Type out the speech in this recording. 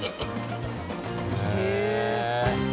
へえ。